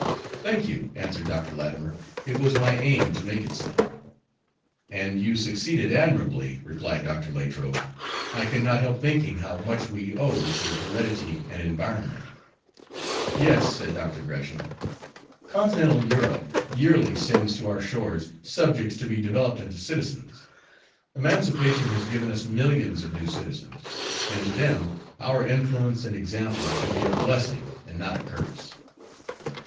"Thank you," answered Dr. Latimer, "it was my aim to make it so." "And you succeeded admirably," replied Dr. Latrobe. "I could not help thinking how much we owe to heredity and environment." "Yes," said Dr. Gresham. "Continental Europe yearly sends to our shores subjects to be developed into citizens. Emancipation has given us millions of new citizens, and to them our influence and example should be a blessing and not a curse."